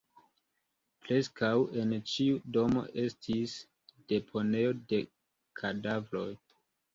Preskaŭ en ĉiu domo estis deponejo de kadavroj.